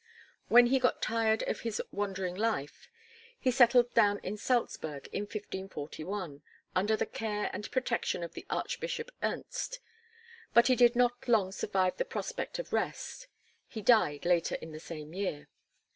When he got tired of his wandering life, he settled down in Salsburg, in 1541, under the care and protection of the Archbishop Ernst. But he did not long survive the prospect of rest; he died later in the same year.